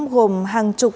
gồm hàng chục